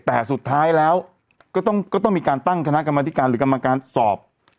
แต่สุดท้ายแล้วก็ต้องมีการตั้งคณะกรรมธิการหรือกรรมการสอบ